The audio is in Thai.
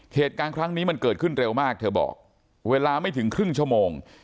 เหตุการณ์ครั้งนี้มันเกิดขึ้นเร็วมากเธอบอกเวลาไม่ถึงครึ่งชั่วโมง